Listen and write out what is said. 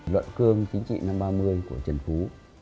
luận cương chính trị năm trăm ba mươi của trần phú